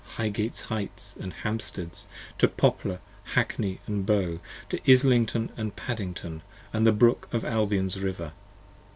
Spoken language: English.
84 HIGHGATE'S heights & Hampstead's, to Poplar, Hackney & Bow; To Islington & Paddington & the Brook of Albion's River.